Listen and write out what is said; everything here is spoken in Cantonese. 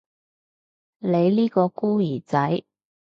你呢個孤兒仔